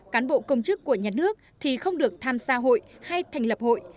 cán bộ công chức của nhà nước thì không được tham gia hội hay thành lập hội